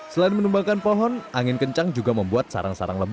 selain menumbangkan pohon angin kencang juga membuat sarang sarang lebah